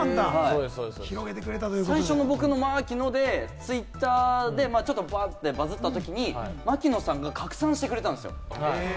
最初、僕のまきの！で、ツイッターでバズったときに槙野さんが拡散してくれたんですよ。